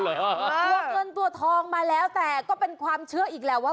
ตัวเงินตัวทองมาแล้วแต่ก็เป็นความเชื่ออีกแหละว่า